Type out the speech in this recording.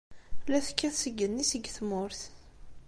La tekkat seg yigenni, seg tmurt.